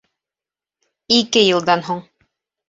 Ике йылдан һуң